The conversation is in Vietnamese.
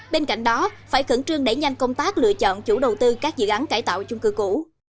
bên cạnh đó phải khẩn trương đẩy nhanh công tác lựa chọn chủ đầu tư các dự án cải tạo chung cư cũ